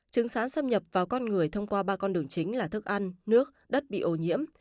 trứng sán xâm nhập vào con người thông qua ba con đường chính là thức ăn nước đất bị ô nhiễm